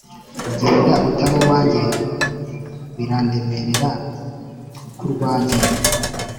ugenda utaruwajye birandemerera kurwajye